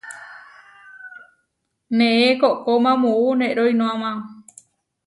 Neé koʼkóma muú neroínoama.